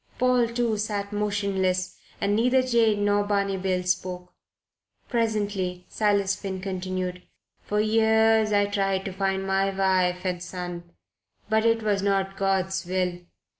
Paul, too, sat motionless, and neither Jane nor Barney Bill spoke. Presently Silas Finn continued: "For many years I tried to find my wife and son but it was not God's will.